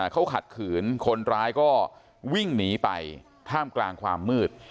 เขาขัดขืนคนร้ายก็วิ่งหนีไปท่ามกลางความมืด